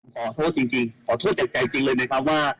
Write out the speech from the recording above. ขอโทษจริงขอโทษจากใจจริงเลยนะครับว่า